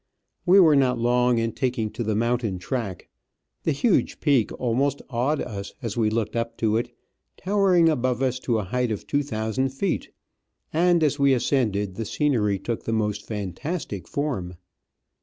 We were not long in taking to the mountain track ; the huge peak almost awed us as we looked up to it, towering above us to a height of 2,000 feet ; and as we ascended the scenery took the most fantastic form.